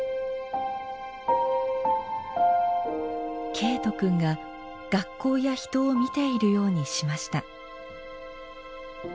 「けいと君が学校や人を見ているようにしました」。